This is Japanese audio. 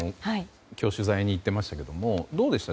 今日取材に行ってましたけどもどうでした？